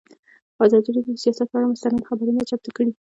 ازادي راډیو د سیاست پر اړه مستند خپرونه چمتو کړې.